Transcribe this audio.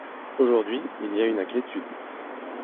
Aujourd’hui, il y a une inquiétude.